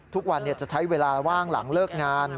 ทุกวันจะใช้เวลาว่างหลังเลิกงาน